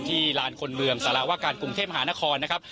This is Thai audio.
ลานคนเมืองสารวาการกรุงเทพมหานครนะครับ